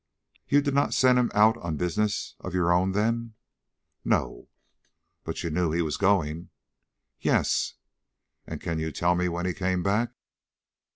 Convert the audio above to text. "You did not send him out on business of your own, then?" "No." "But you knew he was going?" "Yes." "And can tell when he came back?"